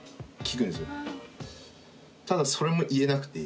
ただそれも言えなくて。